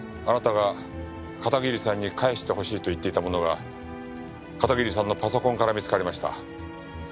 あなたが片桐さんに返してほしいと言っていたものが片桐さんのパソコンから見つかりました。